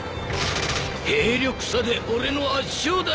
兵力差で俺の圧勝だ。